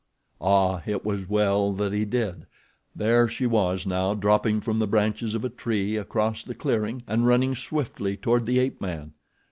Ah! It was well that he did! There she was now dropping from the branches of a tree across the clearing and running swiftly toward the ape man.